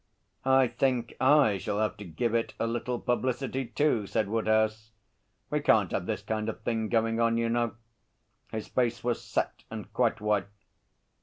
'I think I shall have to give it a little publicity too,' said Woodhouse. 'We can't have this kind of thing going on, you know.' His face was set and quite white.